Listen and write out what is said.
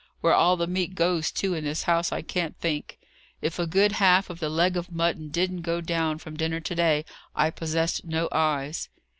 Where all the meat goes to in this house, I can't think. If a good half of the leg of mutton didn't go down from dinner to day, I possessed no eyes."